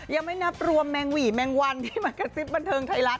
ยังไม่นับรวมแมงหวี่แมงวันที่มากระซิบบันเทิงไทยรัฐ